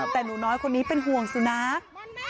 แต่หนูน้อยคนนี้เป็นห่วงสุนัข